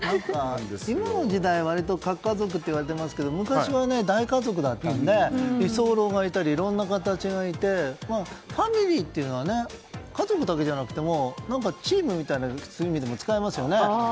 今の時代、割と核家族といわれていますけど昔は大家族だったので居候がいたり、いろんな方がいてファミリーっていうのは家族だけじゃなくてチームみたいな意味でも使いますよね。